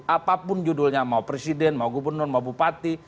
apapun judulnya mau presiden mau gubernur mau bupati